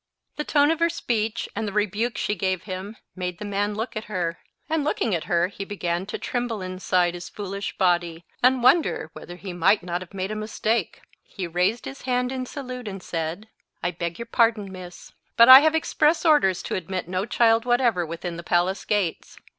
The tone of her speech, and the rebuke she gave him, made the man look at her; and looking at her, he began to tremble inside his foolish body, and wonder whether he might not have made a mistake. He raised his hand in salute, and said— "I beg your pardon, miss, but I have express orders to admit no child whatever within the palace gates.